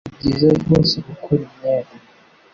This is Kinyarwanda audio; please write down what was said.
Ni byiza rwose gukora imyenda.